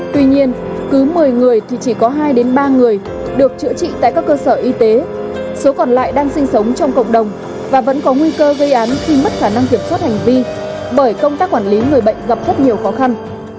tuy nhiên cứ một mươi người thì chỉ có hai ba người được chữa trị tại các cơ sở y tế số còn lại đang sinh sống trong cộng đồng và vẫn có nguy cơ gây án khi mất khả năng kiểm soát hành vi bởi công tác quản lý người bệnh gặp rất nhiều khó khăn